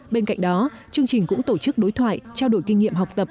bên cạnh đó chương trình cũng tổ chức đối thoại trao đổi kinh nghiệm học tập